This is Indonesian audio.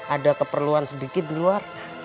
ada keperluan sedikit di luar